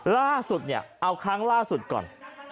ล่าสุดเนี่ยเอาครั้งล่าสุดก่อน